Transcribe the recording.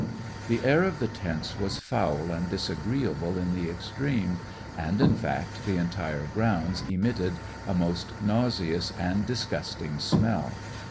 The air of the tents was foul and disagreeable in the extreme, and in fact the entire grounds emitted a most nauseous and disgusting smell.